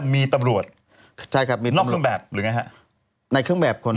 มีตำรวจใช่ครับมีนอกเครื่องแบบหรือไงฮะในเครื่องแบบคน